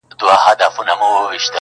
خداى خو دې هركله د سترگو سيند بهانه لري,